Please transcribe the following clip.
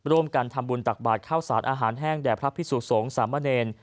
ร่วมกันทำบุญตักบาทข้าวสารอาหารแห้งแด่พระพิสุสงฆ์สามเณร